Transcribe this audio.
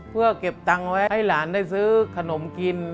เพื่อเก็บตังค์ไว้ให้หลานได้ซื้อขนมกิน